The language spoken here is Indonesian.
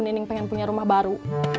dening pengen punya rumah baru